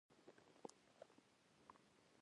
ستر خلک د طبیعت غوندې ساده ژبه استعمالوي.